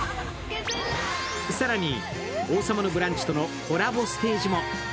更に、「王様のブランチ」とのコラボステージも。